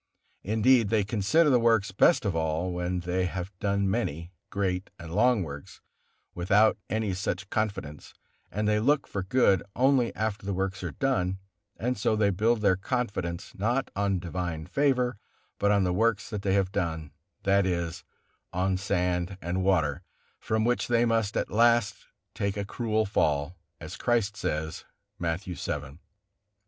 Indeed, they consider the works best of all, when they have done many, great and long works without any such confidence, and they look for good only after the works are done; and so they build their confidence not on divine favor, but on the works they have done, that is, on sand and water, from which they must at last take a cruel fall, as Christ says, Matthew vii.